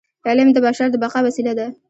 علم د بشر د بقاء وسیله ده.